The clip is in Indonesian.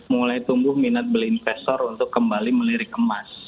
mulai tumbuh minat beli investor untuk kembali melirik emas